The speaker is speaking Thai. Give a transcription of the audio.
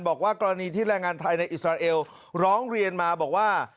บอกว่ากรณีที่แรงงานไทยในอิสราเอลร้องเรียนมาบอกว่า